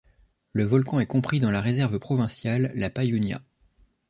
Le volcan est compris dans la réserve provinciale La Payunia.